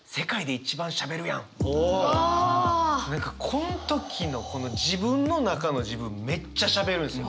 こん時の自分の中の自分めっちゃしゃべるんですよ。